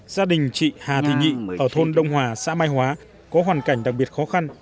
gia đình chị hà thị nhị ở thôn đông hòa xã mai hóa có hoàn cảnh đặc biệt khó khăn